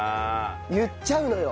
言っちゃうのよ。